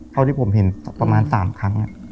เท่าที่ผมเห็นประมาณ๓ครั้ง